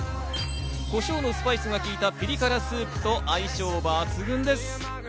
コショウのスパイスが効いたピリ辛スープと相性抜群です。